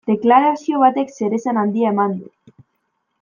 Deklarazio batek zeresan handia eman du.